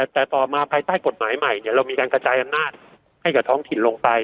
แต่ต่อมาภายใต้กฎหมายใหม่เรามีการกระจายอำนาจให้กับท้องถิ่นลงไป